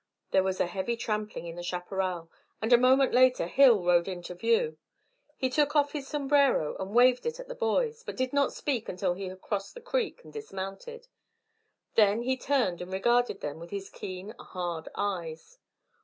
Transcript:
There was a heavy trampling in the chaparral, and a moment later Hill rode into view. He took off his sombrero and waved it at the boys, but did not speak until he had crossed the creek and dismounted. Then he turned and regarded them with his keen hard eyes.